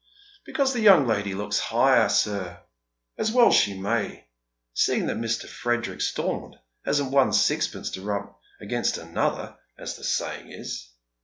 " Because the young lady looks higher, sir ; as well she may, seeing that Mr. Frederick Stormont hasn't one sixpence to rub gainst another, as the saying is.